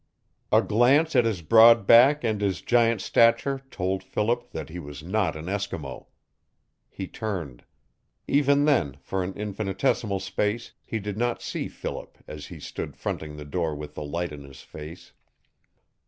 A glance at his broad back and his giant stature told Philip that he was not an Eskimo. He turned. Even then for an infinitesimal space he did not see Philip as he stood fronting the door with the light in his face.